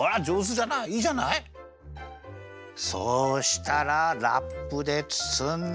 そうしたらラップでつつんで。